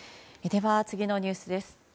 では、次のニュースです。